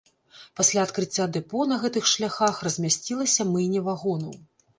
Пасля адкрыцця дэпо на гэтых шляхах размясцілася мыйня вагонаў.